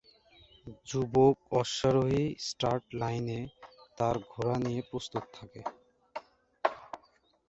যুবক অশ্বারোহী স্টার্ট লাইনে তার ঘোড়া নিয়ে প্রস্তুত থাকে।